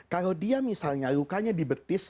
kalau dia misalnya lukanya di betis